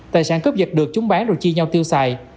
tài sản cướp giật được chúng bán rồi chia nhau tiêu xài